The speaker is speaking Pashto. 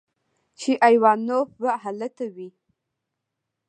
چې ايوانوف به الته وي.